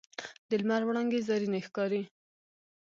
د لمر وړانګې زرینې ښکاري